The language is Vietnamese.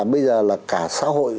bây giờ là cả xã hội